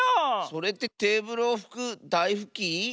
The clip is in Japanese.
それってテーブルをふくだいふき？